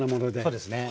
そうですね。